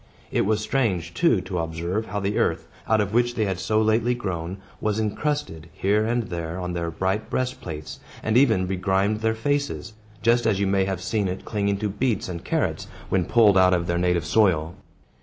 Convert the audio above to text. It was strange, too, to observe how the earth, out of which they had so lately grown, was incrusted, here and there, on their bright breastplates, and even, begrimed their faces; just as you may have seen it clinging to beets and carrots, when pulled out of their native soil.